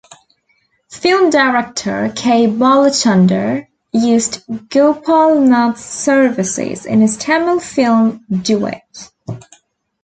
Film director K. Balachander used Gopalnath's services in his Tamil film "Duet".